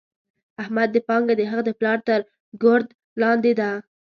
د احمد پانګه د هغه د پلار تر ګورت لاندې ده.